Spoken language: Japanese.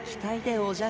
おじゃる。